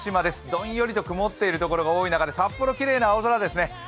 どんよりと曇っているところが多い中で札幌、きれいな青空ですね。